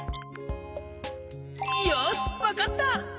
よしわかった！